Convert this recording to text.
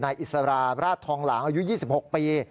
อิสราชทองหลางอายุ๒๖ปี